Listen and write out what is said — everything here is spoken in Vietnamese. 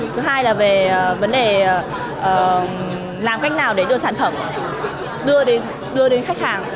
thứ hai là về vấn đề làm cách nào để đưa sản phẩm đưa đến khách hàng